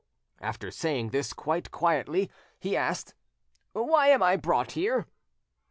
After saying this quite quietly, he asked— "Why am I brought here?"